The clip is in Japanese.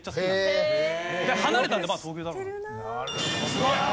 すごい！